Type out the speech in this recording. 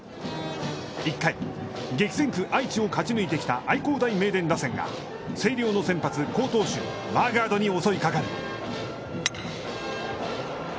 １回、激戦区愛知を勝ち抜いてきた愛工大名電打線が、星稜の先発、好投手、マーガードに襲いかかる。